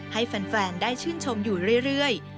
ให้แฟนได้ชื่นชมอยู่เรื่อย